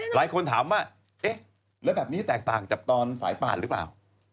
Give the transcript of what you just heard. หลายคนถามว่าเอ๊ะแล้วแบบนี้แตกต่างจากตอนสายป่านหรือเปล่า